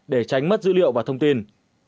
để tránh mất dữ liệu và thông tin